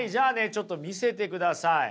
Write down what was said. ちょっと見せてください。